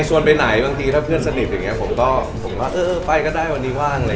ใส่อินเทศไงพี่